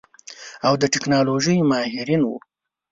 او د ټيکنالوژۍ ماهرين وو.